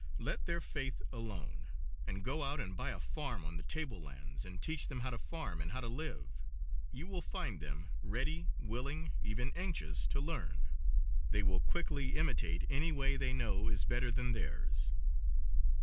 Let their faith alone, and go out and buy a farm on the table lands and teach them how to farm and how to live. You will find them ready, willing, even anxious to learn. They will quickly imitate any way they know is better than theirs."